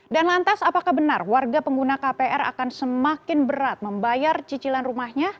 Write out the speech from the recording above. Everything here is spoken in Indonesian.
dan lantas apakah benar warga pengguna kpr akan semakin berat membayar cicilan rumahnya